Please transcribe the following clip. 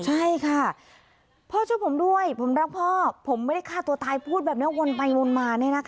ใช่ค่ะพ่อช่วยผมด้วยผมรักพ่อผมไม่ได้ฆ่าตัวตายพูดแบบนี้วนไปวนมา